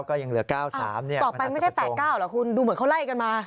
ก็ยังเหลือ๙๓ต่อไปไม่ใช่๘๙เหรอคุณดูเหมือนเขาไล่กันมา